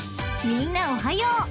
［みんなおはよう。